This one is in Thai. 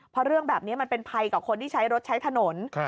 เพราะเรื่องแบบนี้มันเป็นภัยกับคนที่ใช้รถใช้ถนน